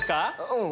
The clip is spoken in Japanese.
うん。